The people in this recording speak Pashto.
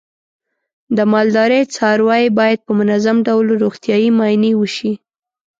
د مالدارۍ څاروی باید په منظم ډول روغتیايي معاینې وشي.